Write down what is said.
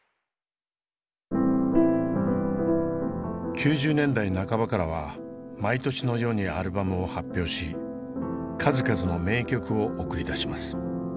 ９０年代半ばからは毎年のようにアルバムを発表し数々の名曲を送り出します。